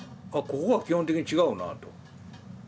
ここは基本的に違うなと。